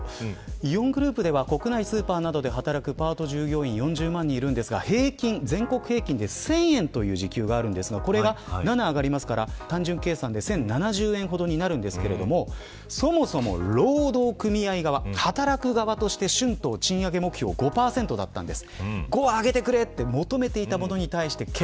イオングループでは国内スーパーなどで働くパート従業員４０万人の全国平均で１０００円という時給があるんですがこれが７上がるので単純計算で１０７０円ほどになりますがそもそも労働組合側働く側として春闘賃上げ目標５％だったんです。